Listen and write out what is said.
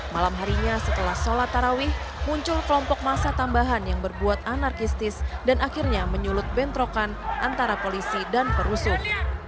malam harinya setelah sholat tarawih muncul kelompok masa tambahan yang berbuat anarkistis dan akhirnya menyulut bentrokan antara polisi dan perusuh